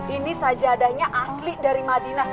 ini sajadahnya asli dari madinah